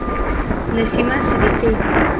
نسیمه صدیقی